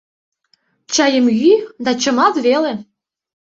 Чайым йӱ да чымалт веле.